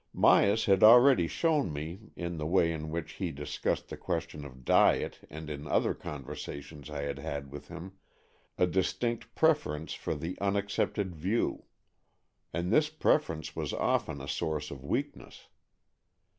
Myas had already shown me, in the way in which he discussed the question of diet and in other conversations I had had with him, a distinct preference for the unaccepted view; and this preference was often a source of weakness.